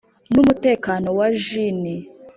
numutekano wa jinny